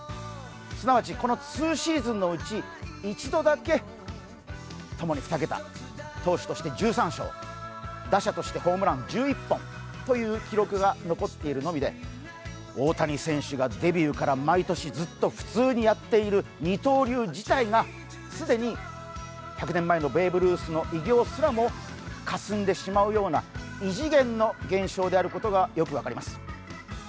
すなわちこの２シーズンのうち１度だけともに２桁、投手として１３勝、打者としてホームラン１１本という記録が残っているのみで、大谷選手がデビューから毎年ずっと普通にやっている二刀流自体が既に１００年前のベーブ・ルースの偉業すらもかすんでしまうような異次元の現象であることがよく分かります。